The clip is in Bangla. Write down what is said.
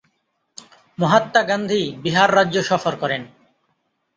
মহাত্মা গান্ধী বিহার রাজ্য সফর করেন।